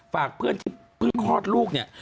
ฝากเพื่อนที่เพิ่งคลอดลูกเนี่ย